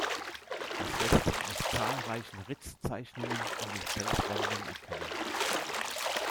Das lässt sich aus zahlreichen Ritzzeichnungen in den Felswänden erkennen.